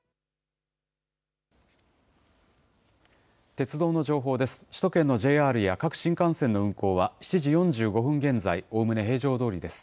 鉄道の情報です。